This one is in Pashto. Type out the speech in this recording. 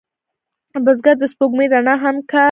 بزګر ته د سپوږمۍ رڼا هم کاري وخت دی